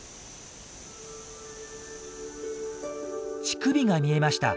乳首が見えました。